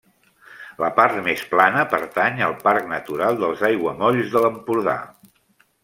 La part més plana pertany al Parc Natural dels Aiguamolls de l'Empordà.